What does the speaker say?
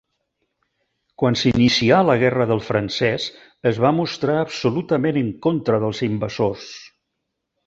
Quan s'inicià la Guerra del francès es va mostrar absolutament en contra dels invasors.